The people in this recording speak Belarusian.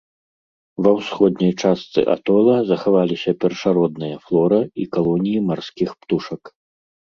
Ва ўсходняй частцы атола захаваліся першародная флора і калоніі марскіх птушак.